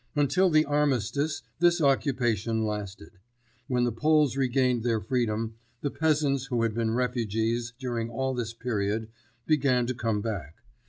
Until the Armistice this occupation lasted. When the Poles regained their freedom, the peasants who had been refugees during all this period, began to come back.